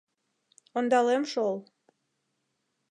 Ондалем шол...